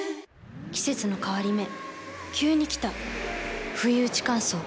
季節の変わり目急に来たふいうち乾燥。